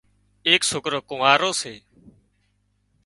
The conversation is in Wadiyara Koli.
ايڪ سوڪرو ڪونئارو سي